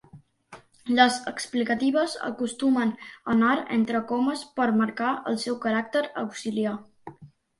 Les explicatives acostumen a anar entre comes per marcar el seu caràcter auxiliar.